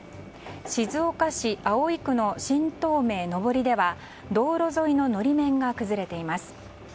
静岡市葵区の新東名上りでは道路沿いの法面が崩れています。